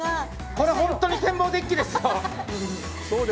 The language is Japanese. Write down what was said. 本当に天望デッキです。